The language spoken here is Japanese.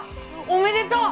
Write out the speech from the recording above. おめでとう！